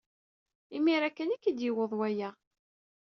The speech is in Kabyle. Imir-a kan ay k-id-yuweḍ waya.